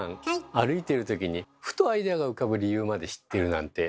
歩いてるときにふとアイデアが浮かぶ理由まで知ってるなんて